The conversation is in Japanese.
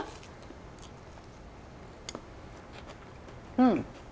うん！